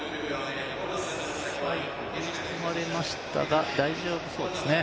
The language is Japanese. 最後追い込まれましたが大丈夫そうですね。